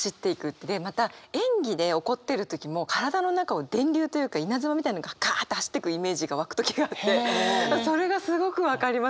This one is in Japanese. また演技で怒ってる時も体の中を電流というか稲妻みたいのがかぁって走っていくイメージが湧く時があってそれがすごく分かります。